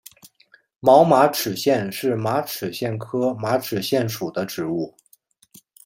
毛马齿苋是马齿苋科马齿苋属的植物。